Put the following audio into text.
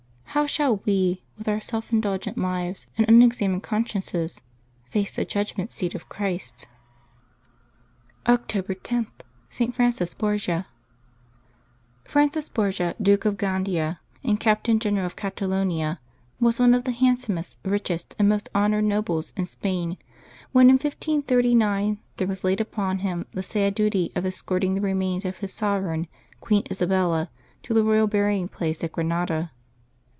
How shall we, with our self indulgent lives and unexamined consciences, face the judgment seat of Christ? October lo.— ST. FRANCIS BORGIA. HRANCis Borgia, Duke of Gandia and Captain General of Catalonia, was one of the handsomest, richest, and most honored nobles in Spain, when, in 1539, there was laid upon him the sad duty of escorting the remains of his sovereign. Queen Isabella, to the royal burying place at Granada.